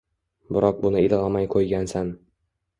Biroq buni ilg’amay qo’ygansan.